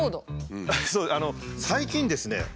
最近ですね